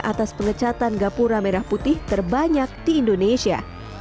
atas pengecatan gapura merah putih terbanyak di indonesia